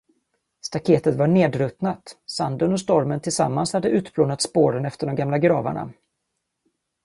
Staketet var nedruttnat, sanden och stormen tillsammans hade utplånat spåren efter de gamla gravarna.